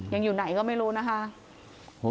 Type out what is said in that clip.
ยังอยู่ไหนก็ไม่รู้นะคะ